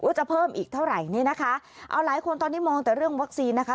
จะเพิ่มอีกเท่าไหร่นี่นะคะเอาหลายคนตอนนี้มองแต่เรื่องวัคซีนนะคะ